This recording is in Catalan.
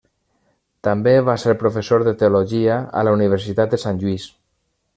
També va ser professor de teologia a la Universitat de Sant Lluís.